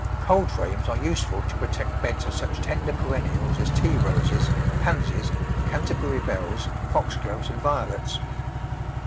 Cold frames are useful to protect beds of such tender perennials as Tea roses, Pansies, Canterbury bells, Foxgloves and Violets.